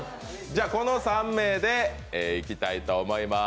この３名でいきたいと思います。